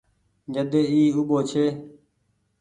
جڏي اي اوٻو ڇي۔